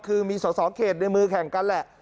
คือมีสอสอเขตในมือแข่งกันแหละ